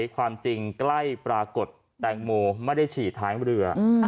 ความจริงใกล้ปรากฏแตงโมไม่ได้ฉี่ท้ายเรือ